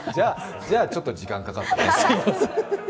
じゃあちょっと時間かかったね。